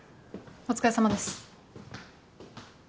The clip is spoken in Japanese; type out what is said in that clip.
お疲れさまです。